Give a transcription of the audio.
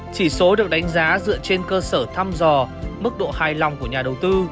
chỉ số được đánh giá dựa trên cơ sở thăm dò mức độ hài lòng của nhà đầu tư